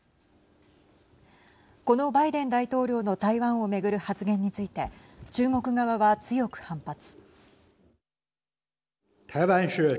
このバイデン大統領の台湾をめぐる発言について中国側は強く反発。